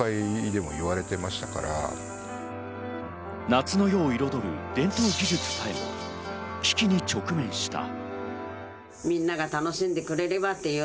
夏の夜を彩る伝統技術さえ危機に直面した。